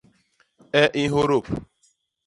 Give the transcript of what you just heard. E i nhôdôp.